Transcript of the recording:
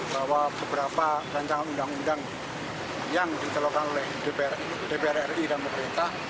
bahwa beberapa rancangan undang undang yang ditelurkan oleh dpr ri dan pemerintah